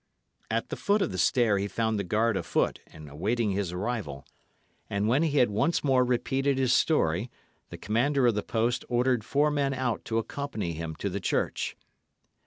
At the foot of the stair he found the guard afoot and awaiting his arrival; and when he had once more repeated his story, the commander of the post ordered four men out to accompany him to the church.